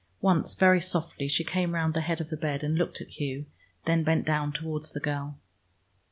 Once, very softly, she came round the head of the bed, and looked at Hugh, then bent down towards the girl.